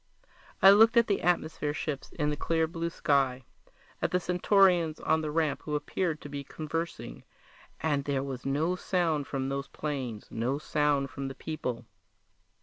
I looked at the atmosphere ships in the clear blue sky, at the Centaurians on the ramp who appeared to be conversing and there was no sound from those planes, no sound from the people!